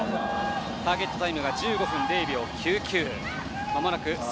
ターゲットタイム１５分０秒９９。